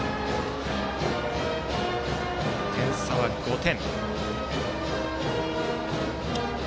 点差は５点。